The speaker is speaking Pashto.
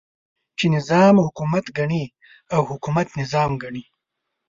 چې نظام حکومت ګڼي او حکومت نظام ګڼي.